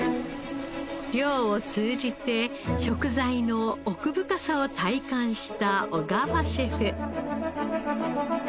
漁を通じて食材の奥深さを体感した小川シェフ。